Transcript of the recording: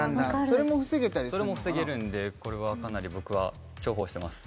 それも防げるんでこれはかなり僕は重宝してます